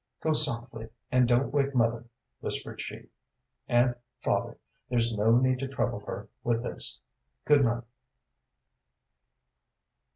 "Go softly, and don't wake mother," whispered she; "and, father, there's no need to trouble her with this. Good night."